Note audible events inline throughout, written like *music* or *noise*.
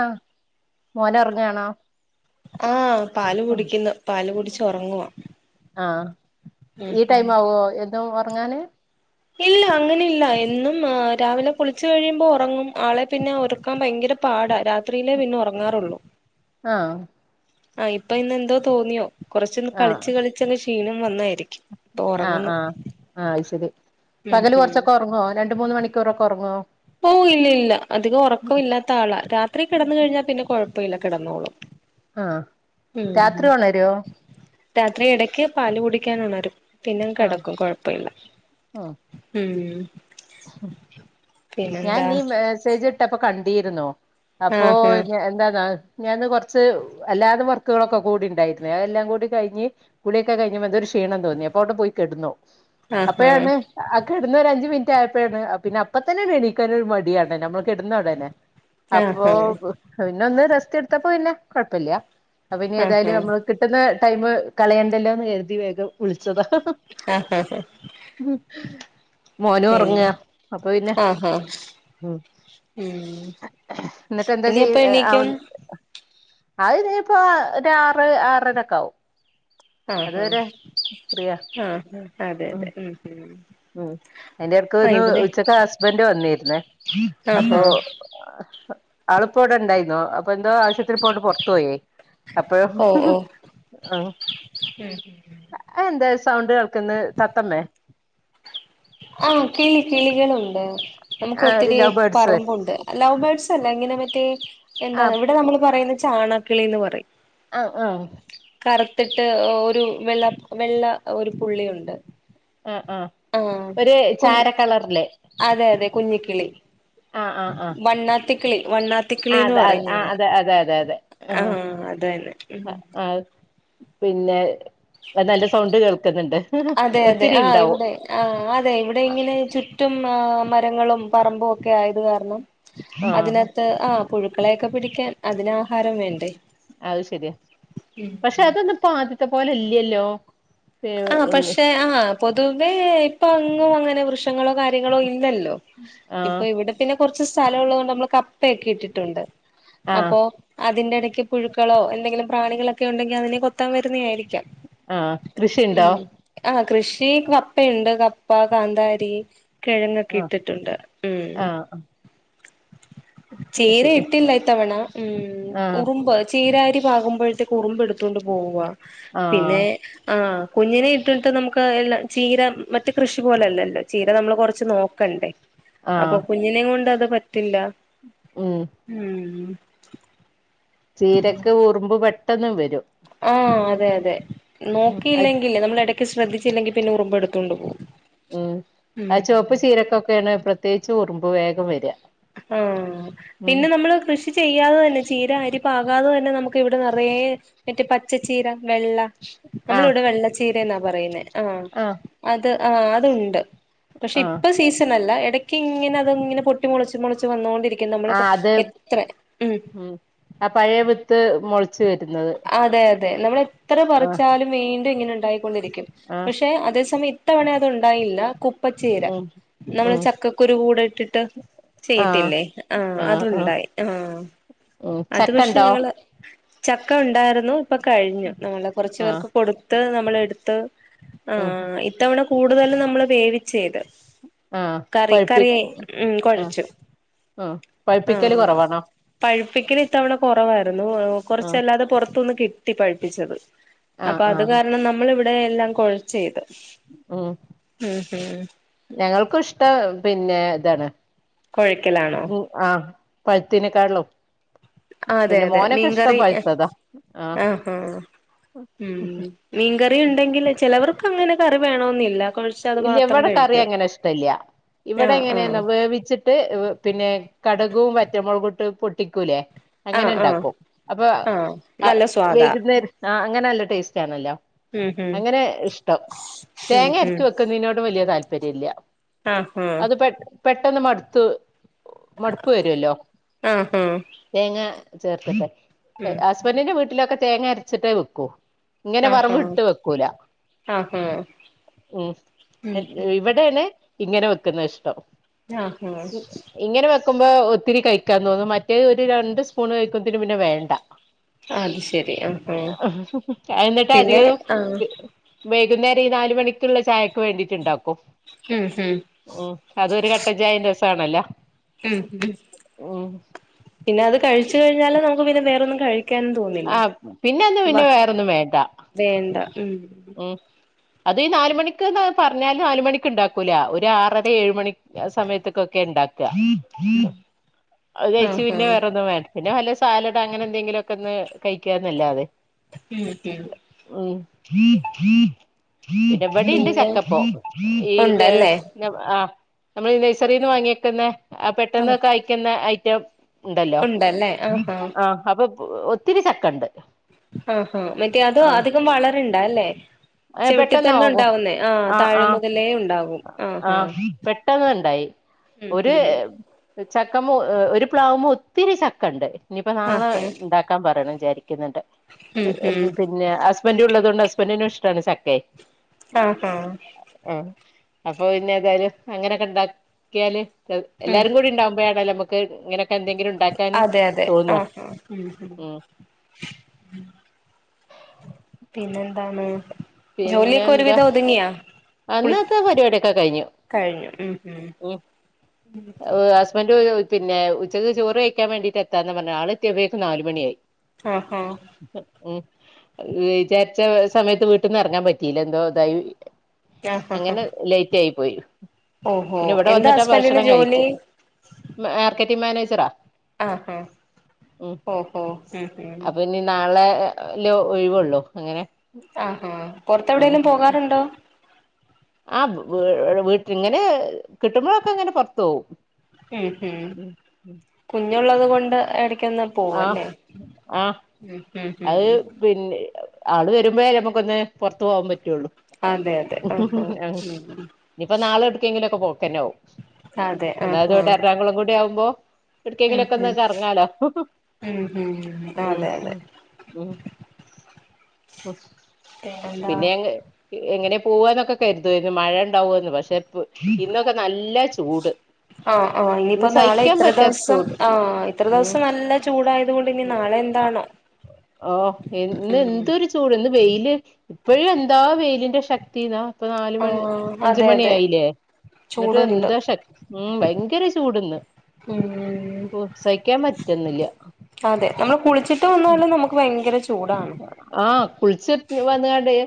ആഹ് മോൻ ഉറങ്ങാണോ ആപാല് കുടിക്കുന്നു പാ ൽകുടിച്ചു ഉറങ്ങുവ ആഹ ഈ ടൈം ആവോ എന്നും ഉറങ്ങാനെ ഇല്ല അങ്ങനെ ഇല്ല എന്നും രാവിലെ കുളിച്ചു കഴിയുമ്പോ ഉറങ്ങും ആളെ പിന്നെ ഉറക്കാൻ ഭയങ്കര പാടാ രാത്രി എത്രയിലേ പിന്നെ ഉറങ്ങാറുള്ളൂ ആഹ് ആ ഇപ്പൊ ഇന്ന് യെന്തോ തോന്നിയോ കുറച്ചൊന്ന് ആഹ് കളിച്ച് ക്ഷീണം വന്നായിരുന്നു ആഹ് ആഹ് ആഹ ശരി ഉം പകല് ഉം കുറച്ചൊക്കെ ഉറങ്ങോ രണ്ട് രണ്ട് മൂന്ന് മണിക്കൂർ ഒക്കെ ഉറങ്ങോ ഓ ഇല്ല ഇല്ല അതികം ഒറക്കോ ഇല്ലാത്ത ആളാ രാത്രി കിടന്ന് കഴിഞ്ഞാ പിന്നെ കൊഴ് പ്പയില്ല കിടന്നോളും ആഹ് ഉം രാത്രി ഒണരോ രാത്രി ഇടക്ക് പാല് കുടിക്കാനൊണരും പിന്നെ അങ്ങ് ആഹ് കിടക്കും കൊഴപ്പ ഇല്ല ഉം ഉം ഞാൻ പിന്നെന്താ നീ മേസേജ് ട്ടപ്പൊ കണ്ടീരുന്നോ അപ്പൊ ആഹ് *unintelligible* എന്താന്നാ ഞാനന്ന് കുറച്ച് അല്ലാതെ വർക്കുകളൊക്കെ കൂടി ഉണ്ടായിരുന്നു അതെല്ലാം കൂടി കഴിഞ്ഞ് കുളിയൊക്കെ കഴിഞ്ഞപ്പെ എന്തൊരു ക്ഷീണം തോന്നി അപ്പോ അങ്ങട്ട് പോയി കെടന്നു ആഹ് ആഹ് ആഹ് അപ്പഴാണ് ആ കിടന്ന ഒരഞ്ചു മിനിറ്റ് യപ്പോഴാണ് പിന്നെ അപ്പ തന്നെ എണീക്കാനൊരു മടിയാണ് നമ്മൾ കെടന്നൊടനെ ആഹ് അപ്പൊ ആഹ് പിന്ന ഒന്ന് റെസ്റ്റ് എടുത്തപ്പോ പിന്നെ കൊഴപ്പില്ല അപ്പ ആഹ് ഇനിഏതായാലും നമ്മള് കിട്ടുന്ന ടൈമ് കളയണ്ടല്ലോ എന്ന് കരുതി വേഗം കുളിച്ച ച്ചതാ ആഹ് ആഹ് മോനും പിന്നെ ഉറങ്ങുവാ അപ്പൊ പിന്നെ ആഹ് ആഹ് ഉം എന്നിട്ട് എന്താ ഇനി എപ്പ ചെയ്യാ ആവ് എണീക്കും അതിനിയിപ്പൊ ആറ് ആറൊരക്കാവും ആഹ് ആഹ് ആഹ് അതെ അതെ ഉം ഉം ആഹ് ക്ക്ന്ന് ഇവിടെ ഉച്ചക്ക ഹസ്ബൻ്റ് വന്നിരുന്നേ ആഹ് അപ്പോ ആഹ് അളുപ്പ വിടെ ഇണ്ടായിനു അപ്പ എന്തോ ആവശ്യത്തിന് ഇപ്പൊ പുറത്തു പോയേ അപ്പ ഓ ഓ മ് എന്താച്ച സൗണ്ട് കേൾക്ക്ന്ന് തത്തമ്മേ ആഹ് കിളി കിളികളുണ്ട് നമുക്ക് ആ ഒത്തിരി ലവ് ബേർഡ്സ് പറമ്പുണ്ട് ലവ് ബേർഡ്സ് അല്ല ഇങ്ങനെ മറ്റേ ആ എന്താണ് ഇവിടെ നമ്മൾ പറ കേന്ന് ചാണാക്കിളിന്ന് പറയും ആഹ് ആഹ് കറുത്തിട്ട് ഒരു വെള്ള വെള്ള ഒരു പുള്ളിയുണ്ട് ആ ഒരു കുഞ്ഞ് ചാര കളറില് അതെ അതെ കുഞ്ഞിക്കിളി ആ ആ ആ വണ്ണാ ത്തിക്കിളി ആ വണ്ണാത്തിക്കിളിന്ന് അത പറയും ആ ഞങ്ങൾ അതെ അതെ അതെ അതെ ആ അത് തന്നെ ഉം ആ പിന്നെ നല്ല സൗണ്ട് കേൾക്കുന്നുണ്ട് അതെ അതെ ഒത്തിരി ആ ഉണ്ടാവും ഇവിടെ ആ അതെ ഇവിടെ ഇങ്ങനെ ചുറ്റും ആ മരങ്ങളും പറമ്പും ഒക്കെ ആയത് കാരണം ആ അതിനകത്ത് ആ പുഴുക്കളെയൊക്കെ പിടിക്കാൻ അതിന് ആഹാരം വേണ്ടേ അത് ശരിയാ പക്ഷെ അതൊന്നപ്പോ ആദ്യത്തെ പോലെ ഇല്ല്യല്ലോ ആ പക്ഷെ ആ പൊതുവേ ഇപ്പൊ അങ്ങും അങ്ങനെ വൃക്ഷങ്ങളോ കാര്യങ്ങളോ ഇല്ലല്ലോ ആ ഇപ്പൊ ഇവിടെ പിന്നെ കുറച്ച് സ്ഥലം ഉള്ളത് കൊണ്ട് നമ്മൾ കപ്പയൊക്കെ ഇട്ടിട്ടുണ്ട് ആ അപ്പൊ അതിന്റെ ഞെക്കി പുഴുക്കളോ എന്തെങ്കിലും പ്രാണികളൊക്കെ ഉണ്ടെങ്കിൽ അതിനെ കൊത്താൻ വരുന്നതായിരിക്കാം തിണ്ടോ ഉം ആ കൃഷി കപ്പയുണ്ട് കപ്പ കാന്താരി കിഴങ്ങൊക്കെ ആ ഇട്ടിട്ടുണ്ട് മ് ആ ചീര ശരി ഇട്ടില്ലാ ഇത്തവണ മ് ആ ഉറുമ്പ് ചീര കി പാകുമ്പോഴത്തേക്ക് ഉറുമ്പ് എടുത്തൊണ്ട് പോവുവാ ആ പിന്നെ ആ കുഞ്ഞിനെ ഇട്ടിട്ട് നമുക്ക് എല്ലാം ചീര മറ്റ് കൃഷി പോലെ അല്ലല്ലോ ചീര നമ്മൾ കൊറച്ച് നോക്കണ്ടേ ആ അപ്പൊ കുഞ്ഞിനെയും കൊണ്ട് അത് ത്തില്ല ഉം മ് ചീരക്ക് ഉറുമ്പ് പെട്ടെ പെട്ടന്നും വരും ആ അതെ അതെ ഉം അത് നോക്കിയില്ലെങ്കില് നമ്മള് എട ശ്രദ്ധിച്ചില്ലെങ്കിൽ പിന്നെ ഉറുമ്പ് എടുത്തു കൊണ്ട് പോവും ഉം ആ ചുവപ്പ് ചീരക്കൊക്കെയാണ് പ്രത്യേകിച്ച് ഉറുമ്പ് വേഗം വെരിയ ആഹ പിന്നെ നമ്മള് കൃഷി ചെയ്യാതെ തന്നെ ചീര അരി പാകാതെ തന്നെ നമുക്ക് ഇവിടെ നിറയെ മറ്റേ പച്ചച്ചീര വെള്ള നമ്മള് ആഹ് ഇവിടെ വെള്ള ചീ ന്നാ പറയുന്നേ ആ ആഹ് അത് ആഹ് അതുണ്ട് പക്ഷെ ആഹ് ഇപ്പ സീസൺ അല്ല ഇട ഇങ്ങനെ അതങ്ങനെ പൊ ട്ടി മുളച്ച് മുളച്ച് വന്നോണ്ടിരി ആ അത് ഉം ആ പഴയ വി ത്ത് മുള ച്ച് വരുന്നത് തെ നമ്മള് ത്ര ആഹ് പറിച്ചാലും വീണ്ടും ഇങ്ങനെ ഉണ്ടായിക്കൊണ്ടിരിക്കും ആഹ് പക്ഷെ അതേസമയം ഇത്തവണ അത്ണ്ടായില്ല കുപ്പച്ചീര ഉം നമ്മള് ഉം ചക്കക്കുരു കൂടെ ഇട്ടിട്ട് ആഹ് ചെയ്യത്തില്ലേ ആഹ് അതുണ്ടായി ആഹ് ഉം അത് പക്ഷെ ചക്കണ്ടോ ഞങ്ങള് ച ക്ക ഉണ്ടായിരുന്നു ഇപ്പ കഴിഞ്ഞു നമ്മള കുറച്ച് ആഹ് പേർക്ക് കൊടുത്ത് ന മ്മളെടുത്ത് ഉം ആഹ് ഇത്തവണ കൂടുതലും നമ്മള് വേവിച്ചെയ്ത് ആഹ് പഴ്പ്പി ഉം ആഹ് കുഴച്ചു ആഹ് പഴ്പ്പിക്കല് കുറവാണോ പ്പിക്കല് ഇത്തവണ കുറവാരുന്നു ഓഹ് ആഹ് ച്ചല്ലാതെ പുറത്തുന്ന് കിട്ടി പഴ്പ്പിച്ചത് ആഹ് അപ്പൊ അത് ആഹ് കാരണം നമ്മള് ഇവി ടെ എല്ലാം കുഴച്ചെയ്ത് ഉം ഞങ്ങൾക്കും ഇഷ്ടം പിന്നെ ഇതാണ് കുഴക്കലാണോ പഴുത്തേനെക്കാളും അതെ അതെ മീൻകറി പഴുത്തതാ ആഹ് ആഹ്ഹാ ഉം മീൻക റി ഉണ്ടെങ്കിൽ ചിലവർക്ക് അങ്ങനെ കറി വേണംന്നില്ല ഇല്ല ഇവിടെ കറി അങ്ങനെ ഇഷ്ടല്ല്യ ഇവിടെ ആഹ് എങ്ങനന്നോ ആഹ് വേവിച്ചിട്ട് പിന്നെ കട് കും വറ്റൽമുളകും ഇട്ട് പൊട്ടിക്കൂലേ അങ്ങനെ ആഹ് ആഹ് ഉണ്ടാക്കും അപ്പൊ ആഹ് നല്ല സ്വാദാ വൈകുന്നേരം ആഹ് അങ്ങനെല്ലോ ടേസ്റ്റാണല്ലോ ഉം അങ്ങനെ ഇഷ്ടം ഉം ഉം തേങ്ങ ര്‌ച്ച് വെക്കുന്നെയ്നോട് വെല്ല്യ തല് പര്യല്ല ആ ആ പെട്ടെന്ന് മട്ത്ത് മട്പ്പ് വരൊല്ലോ ആഹ് ആഹ് ആഹ് തേങ്ങ ചേർത്തിട്ടെ അ് ഉം ഹസ്ബന്റിിന്റെ വീട്ടിലൊക്കെ തേങ്ങ അരച്ചിട്ടേ വെക്കൂ ഇങ്ങനെ ആഹ് വറവ് ആഹ് ട്ട് വെക്കൂല ആഹ് ആഹ് ഉം ഉം ഇവടെണെ ഇങ്ങനെ വെക്കുന്നെഷ്ടം. ആ ഹ ക്കുമ്പോ ഒത്തിരി കയിക്കാൻ തോന്നും മറ്റേ ഒര് രണ്ട് സ്പൂണ് കയിക്കുമ്പോത്തിന് പിന്നെ വേണ്ട. അത് ശരി ആഹാ എന്നിട്ട് പിന്നെ അധികം ആഹ് വൈകുന്നേര ഈ നാല് മണി ക്കുള്ള ചായക്ക് വേണ്ടിയിട്ടുണ്ടാക്കും ഉം ഉം ഉം അതൊരു കട്ടൻചായേം രസ വാണല്ല ഉം ഉം പിന്നെ അത് കഴിച്ച് കഴിഞ്ഞാല് നമുക്ക് പിന്നെ വേറൊന്നും കഴി ആഹ് പിന്നെ ഒന്നും പിന്നെ വേറൊന്നും വേണ്ട വേണ്ട ഉം ഉം അത് ഈ നാല് മണിക്ക്ന്ന് പറഞ്ഞാല് നാലുമണിക്ക് ഉണ്ടാക്കൂല്ല. ഒരു ആറര ഏഴ് മണി സമയത്തേക്കൊക്കെ ഉണ്ടാക്കുക. അത് കഴിച്ച് ആഹാ പിന്നെ വേറെ ഒന്നും വേ പിന്നെ വല്ല സാലഡ് അങ്ങനെ എന്തെങ്കിലും ഒക്കെ ഒന്ന് കഴിക്കാന്നല്ലാതെ ഉം ഹും ഉം ഇവിടേണ്ട് പിന്നെ ചക്കപ്പോ ഈ ദെ ഉണ്ടല്ലേ ആ നമ്മളീ നേഴ്സറീന്ന് വാങ്ങിവെക്കുന്നെ ആ പെട്ടെന്ന് ആഹ് കായ്ക്കുന്നെ അയ് *unintelligible* ഉണ്ടല്ലോ ഉണ്ടല്ലേ ആഹാ ആ അപ്പൊ ഒത്തിരി ചക്കണ്ട് ആ ആ മറ്റേ അത് അധികം വളരണ്ട അല്ലേ ചെവിട്ടി പെട്ടെന്ന് തന്നെ ആകും ഉണ്ടാവുന്നേ ആഹ് ആ ആ താഴെ മുതലേ ഉണ്ടാകും ആ ആഹാ പെട്ടെന്നുണ്ടായി ഉം ഒരു ഉം ചക്കമോ ഒരു പ്ലാവുമൊ ഒത്തിരി ചക്ക ഉണ്ട് ഇനിയിപ്പം നാളെ ആഹാ ഇണ്ടാക്കാൻ പറയണം ശരി ക്കുണ്ട് ഉം ഉം പിന്നെ ഹസ്ബൻഡ്‌ ഉള്ളതോണ്ട് ഹസ്ബൻഡിന് ഇ ഷ്ടാണ് ചക്കയേ ആ ആ അപ്പൊ പിന്നെ ഏതായാലും അങ്ങനെയൊക്കെ ഉണ്ടാക്കിയാല് ഉം എല്ലാരും കൂടി ഉണ്ടാവുപോഴാണേ നമ്മ ക്ക് ഇങ്ങനെ അതെ അതെ ആ ആ ഉം ഉം *inaudible* പിന്നെ എന്താണ് ജോലിയൊക്കെ ഒരുവിധം ഒതുങ്ങിയാ ആ കുളി ഇന്നത്തെ പരിപാടിയൊക്കെ കഴിഞ്ഞു കഴിഞ്ഞു ഉം ഉം പിന്നെ ഉച്ചക്ക് ചോറ് കയ്ക്കാൻ വേണ്ടീട്ട് എത്താന്ന് പറഞ്ഞതാ ആള് എത്തിയപ്പോഴേക്കും നാല് മണിയായി ആ ആ ഉം വിചാരിച്ച സമയത്ത് വീട്ടീന്ന് ഇറങ്ങാൻ പറ്റിയില്ല എന്തോ ഇതായി ആഹ് ആഹ് അങ്ങനെ ആഹ് ലേറ്റായി പോയി ഓഹോ പിന്നെ ഇവിടെ എന്താ വന്നിട്ടാ ഹസ്ബൻഡന് ഭക്ഷണം ജോലി കഴിച്ചു *unintelligible* മാനേജറാ ആ ആ ഉം ഓഹോ ഉം ഉം ലോ ഒഴിവൊള്ളൂ അങ്ങനെ ആഹാ പൊറത്ത് എവിടേലും പോകാറുണ്ടോ ആ വീഴ് വീട്ട് ഇങ്ങനെ കിട്ടുമ്പോഴൊക്കെ ഇങ്ങനെ പുറത്തു പോവും ഉം ഉം ഉം *unintelligible* ഉള്ളത് കൊണ്ട് എട ആ ആ ഉം ഉം അത് ഉം പിന്നെ ആള് വരുമ്പഴേ നമുക്കൊന്ന് പുറത്ത പോവാൻ പറ്റുള്ളു അതെ അതെ ആഹ് ഇനിയിപ്പോ നാളെ എടുക്കെങ്കിലും ഓക്കെ പോ കൊനൗ ആഹ് ഉം അതെ അതാത് ആഹ് ഇവിടെ ആഹ് എറാകുളം കൂടി എവിടെയാവുമ്പോ എവിടക്കെങ്കിലും ഉം ഒക്കെ ഒന്ന് ഉം കറങ്ങാലോ ഉം മം ഉം അതെ അതെ ഉം ഹോ പിന്നെ എന്താ എങ്ങനെ പോവാന്നൊക്കെ കരുതമായിന്ന് മഴ ഇണ്ടാവന്ന് പക്ഷെ ഇന്നൊക്കെ നല്ല ചൂട് ആ ആഹ ഇന്ന് ഇനിയിപ്പോ നാളെ സഹിക്കാൻ ഇത്ര പറ്റാത്ത ദിവസം ചൂട് ആഹ ഇത്ര ദിവസം നല്ല ചൂടായി ഓ എന്ന് എന്തരു ചൂടന്ന് വെയില് ഇപ്പഴും എന്താ വെയിലിന്റെ ശക്തി എന്നാ ഇപ്പൊ നാല് മണി ആഹ് അതെ അഞ്ചുമണി അതെ ആയില്ലേ എന്നിട്ട് ചൂടുണ്ട് എന്താ ശക്ത ഭയങ്കര ചൂട്ന്ന് ഉം സഹിക്കാൻ പറ്റുന്നില്ല ഒന്ന് കുളി ചിറ്റ വന്ന നമുക്ക് ഭയങ്കര ചു ആ കുളിച്ച വന്നുകടേ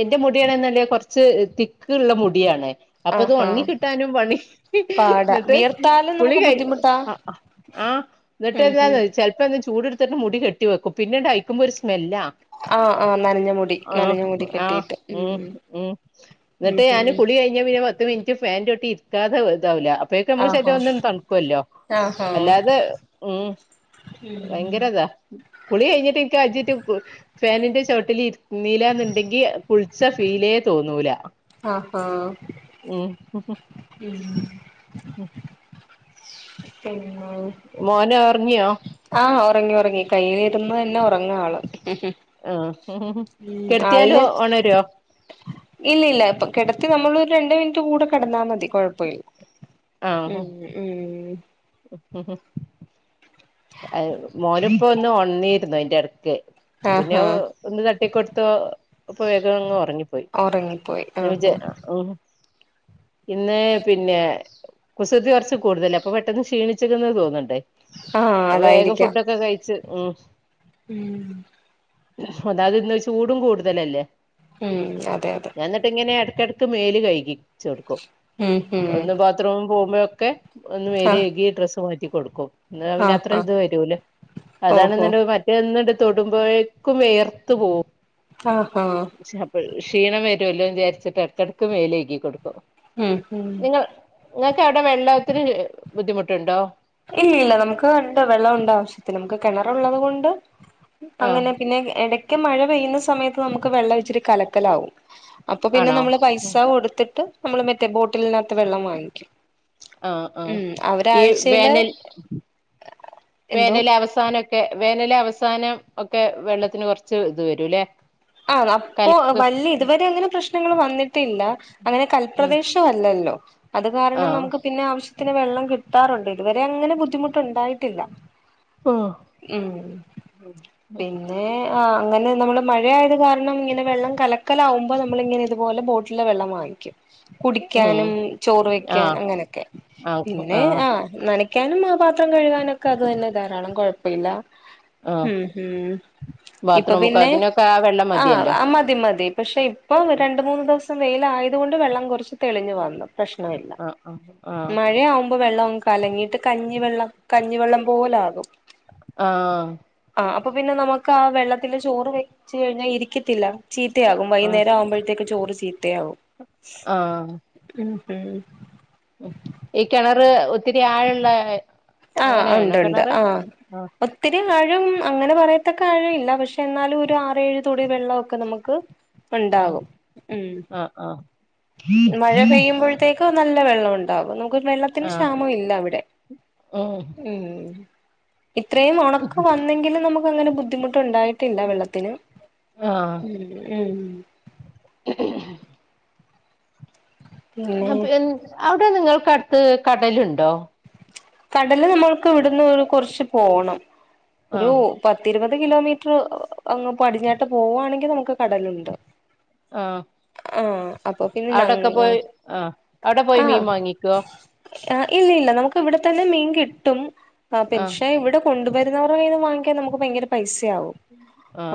എന്റെ മുടിയണന്നല്ല കുറച്ച് തിക്ക് ഉള്ള മുടിയാണ് അപ്പൊത് ആഹാ ഉണങ്ങി കിട്ടാനും പണി പാടാ എന്നിട്ട് വിയർത്താലും കുളി നമുക്ക് കഴിഞ്ഞ് ബുദ്ധിമുട്ടാ ആഹ് എന്നിട്ട് ഉം എന്താ ഉം ചലപ്പോ എന്നിട്ട് ചൂട്ടുത്തിട്ട് മുടി കെട്ടി വെക്കും പിന്നെ ഡയിക്മിർച്ച മെല്ല ആഹ് ആഹ് നനഞ്ഞ മുടി ആ നനഞ്ഞ മുടി ആ കെട്ടിയിട്ട് ഉ ഉം ഉ ഉം എന്നിട്ട് ഞാന് ഉം കുളി കഴിഞ്ഞ പിന്നെ പത്ത് മിനിറ്റ് ഫാൻ്റ ചുവട്ടി ഇരി രാധ വെറുതെ ആവൂല അപ്പയൊക്കെ നമ്മുക്ക് ആഹാ ശരിയം ഒന്നും തണുക്കുവല്ലോ ആഹാ അല്ലാതെ ഉ ഉം ഭയങ്കര ഇതാ കുളി കഴിഞ്ഞട്ട് എക്ക് അജി ഫാനിന്റെ ചുവട്ടിൽ ഇരുന്നില്ല എന്നുണ്ടെങ്കി കുളിച്ച ഫീലേ തോന്നൂല ആഹഹ ഉം ഉ ഉ മോന അറിഞ്ഞിയോ ആഹ ഉറങ്ങി ഉറങ്ങി കയ്യിലിരുന്ന് തന്നെ ഉറങ്ങ ആള് ആഹ ഉം കെടുത്തിയാലോ ആളിന് ഓണരുവോ ഇല്ല ഇല്ല ഇപ്പ കിടത്തി നമ്മൾ ഒരു രണ്ട് മിനിറ്റ് കൂടെ കിടന്നാൽ മതി കുഴപ്പമില്ല ഉം ഉം ഉ അ മോരം ഇപ്പൊ ഒന്ന് ഉണ്ണിയിരുന്നു അതിന്റെ ഇടക്ക് പിന്നെ ആഹാ ഒന്ന് തട്ടി കൊടുത്ത അപ്പൊ വേഗംങ്റങ്ങു പോയി ഒറങ്ങിപ്പോയി ഞാ വിജ ആഹാ ഇന്ന പിന്നെ കുസൃതി കുറച്ച് കൂടുതല അപ്പൊ പെട്ടെന്ന് ക്ഷീണിച്ച തോന്നണ്ടേ ആ അതായിരിക്കാം മ്മ് അതാത് ഇന്ന് ചൂടും കൂടുതലല്ലേ ഉം അതെ അതെ കിടക്ക്ടക്ക് മേല് കഴകിച്ച് കൊടുക്കും ഹിം ഹിം ഹുമ ഒക്കെ ഒന്ന് മേലേകി ഡ്രസ് മാറ്റിക്കും കൊടുക്കും ന ആഹ് ആഹ് പിന്നെ *unintelligible* വരുല്ലേ ഓഹോ അതാനിന്നല്ലെ മറ്റ- എന്നട് തൊടുമ്പോഴേക്കും വേർത്ത് പോവും ആഹാ അപ്പ ക്ഷീണംമ ല്ലോ വിചാരിച്ചി്ടക്കടക്ക് മേലേക്കി കൊടുും ഉം ഉം നിങ്ങ നിങ്ങൾക്ക് എവിടെ വെള്ളത്തിന് ബുദ്ധിമുട്ടുണ്ടോ ഇല്ല ഇല്ല നമുക്ക് ഇണ്ട് വെള്ളം ഉണ്ട് ആവശ്യത്തിന് നമുക്ക് കിണർ ഉള്ളത് കൊണ്ട് ആഹ് അങ്ങനെ പിന്നെ എട ക്ക് മഴ പെയ്യുന്ന സമയത്ത് നമുക്ക് വെള്ളം ഇച്ചിരി കലക്കലാവും അപ്പൊ പിന്നെ ആണോ നമ്മള് പൈസ കൊടുത്തിട്ട് നമ്മള മറ്റെ ബോ ട്ടിലനകത്തു വെള്ളം വാങ്ങിക്കും ആഹ് ആഹ് മ് ഈ അവരാഴ്ച വേനൽ എന്തോ വേനൽ അവസാനം വേനല് അവസാനം ഒക്കെ വെള്ളത്തിന് കൊറച്ച് ഇത് വരൂല്ലെ ആ അപ്പൊ വല്ല ഇതുവരെ അങ്ങനെ പ്രശ്ന നിങ്ങള് വന്നി ത്തില്ല അങ്ങനെ ഉം കൽപ്രദേശം അല്ലല്ലോ അത് കാരണം ആഹ് നമുക്ക് പിന്നെ ആവശ്യ ത്തിന് വെള്ളം കിട്ടാറുണ്ട് ഇതുവരെ അങ്ങനെ ബുദ്ധിമുട്ടുണ്ടായിട്ടില്ല ഉം ഉം പിന്നേ ആ അങ്ങനെ നമ്മള് മഴ ആയത് കാരണം ഇങ്ങനെ വെള്ളം കലക്കല് ആകുമ്പോ നമ്മള് ഇങ്ങനെ ഇതുപോലെ ബോട്ടിലിലെ വെള്ളം വാങ്ങിക്കും കുടിക്കാനും ചോറ് വെക്കാൻ ആഹ് അങ്ങനൊക്കെ ആഹ് പിന്നെ ആഹ് ആ നന ക്കാനും ആ പാത്രം കഴുകാനൊക്കെ അത് തന്നെ ധാരാളം കൊഴ പ്പില്ല ആഹ് മ്ഹ് ഹ് ഇപ്പൊ ബാത്റൂമൊക്കെ പിന്നെ അതിനൊക്കെ ആ വെള്ളം ആഹ് മതിയല്ലോ ആ മതി മതി പക്ഷെ ഇപ്പൊ രണ്ട് മൂന്ന് ദിവസ വെയില് ആയത് കൊണ്ട് വെള്ളം കൊറച്ച് തെളിഞ്ഞു വന്നു പ്രശ്നമില്ല ആഹ് ആഹ് ആഹ് മഴയാവുമ്പോ വെള്ളം കലങ്ങിയിട്ട് കഞ്ഞിവെള്ളം കഞ്ഞിവെള്ളം പോലാകും ആഹ് ആ അപ്പൊ പിന്നെ നമുക്ക് ആ വെള്ളത്തില് ചോറ് വെച്ച് കഴിഞ്ഞാൽ ഇരിക്കത്തില്ല ചീത്തയാകും ആഹ് വൈകുന്നേരം ആവുമ്പോഴത്തേക്ക് ചോറ് ചീത്തയാകും ഉം ഉം ഉം ഈ കെണറ് ഒത്തിരി ആഴുള്ള ആഹ് ഉണ്ട് ഉണ്ട് ആഹ് ആഹ് ഒത്തിരി ആഴ ഴും അങ്ങനെ പറയത്തക്കെ ആഴം ഇല്ല പക്ഷെ എന്നാലും ഒരു ആറേഏഴ് തൊടി വെള്ളമൊക്കെ നമുക്ക് ആഹ് ഉണ്ടാകും ഉം ആഹ് ആഹ് മഴ പെയ്യുമ്പോഴത്തേക്കും നല്ല ല്ല വെള്ള ഉണ്ടാവും വെള്ളത്തിന് ആഹ് ക്ഷാമം ഇല്ല അവിടെ ഉം മ്മ് ഇത്രയും ഒണക്ക് വന്നെങ്കിലും നമു അങ്ങനെ ബുദ്ധിമു ണ്ടായിട്ടില്ല വെള്ളത്തില് ആഹ് ഉം ഉം പിന്നെ ങ്പ് ൻ അവിടെ നിങ്ങൾ കട് ത് കടല്ണ്ടോ കടല് നമ്മൾക്ക് ഇവിടുന്ന് കൊർച്ച് പോണം ഒരു ആഹ് പത്തിരുപത് കിലോമീറ്റ്റ് അങ്ങ് പടിഞ്ഞാട്ട് പോവാണെങ്കിൽ നമുക്ക് കടലുണ്ട് ആ ആഹ് അപ്പൊ പിന്നെ അവ്ടെക്കെ ഞങ്ങ പോയി ആ അവ്ടെ പോയി മീൻ വാങ്ങിക്കോ ആ ഇല്ലില്ല നമ്മ ക്വ്ടെത്തന്നെ മീൻ കിട്ടും ആ ആഹ് പെൻഷൻ ഇവിടെ കൊണ്ടുവെ വേറെ വേറെ വാങ്ങിക്കാൻ നമുക്ക് ഭയങ്കര പൈസ് സ്യാവും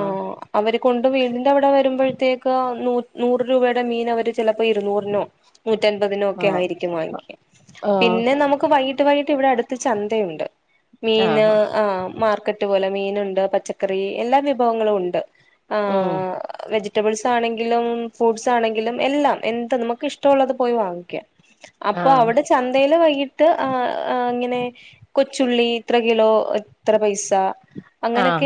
ആ അവര് കൊണ്ട് വീടിന്റെവടെ വരുമ്പോഴത്തേക്കോ അ നൂ നൂറ് രൂപടെ മീൻ അവര് ചെലപ്പോ ഇര്ന്നൂറിനോ ആഹ് നൂറ്റൻപതിനോക്കെയായ്രിക്കും വാങ്ങിക്ക ആഹ് പിന്നെ നമുക് വൈകിട്ട് വൈകിട്ട് ഇവിടെ അടുത്ത് ചന്തയുണ്ട് മീനാ ആഹ് ആ മാർക്കറ്റ് പോലെ മീന് ണ്ട് പച്ചക്കറി എല്ലാവിഭവങ്ങളുണ്ട് ആ ഉം വെജ് റ്റബിൾസാണെങ്കിലും ഫ്രൂട്ട്സാണെങ്കിലും എല്ലാം എന്ത് നമക്കിഷ്ടള്ളത് പോയി വാങ്ങിക്കാം അപ്പൊ ആഹ് അവടെ ചന്തേല് വെ ത് ആ ആ ങ്ങനെ കൊച്ചുള്ളി ത്രകിലോ ത്രപൈസാ അങ്ങനെക്കെ ആഹ്